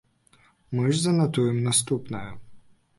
Мы ж занатуем наступнае.